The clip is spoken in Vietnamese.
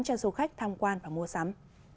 cho du khách tham quan và mua sắm